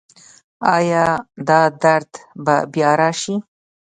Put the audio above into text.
ایا دا درد به بیا راشي؟